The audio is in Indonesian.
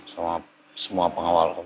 sama semua pengawal om